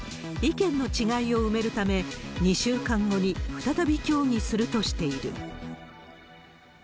意見の違いを埋めるため、２週間後に再び協議するとしている。